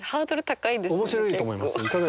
面白いと思います。